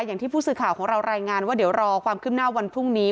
อย่างที่ผู้สื่อข่าวของเรารายงานว่าเดี๋ยวรอความคืบหน้าวันพรุ่งนี้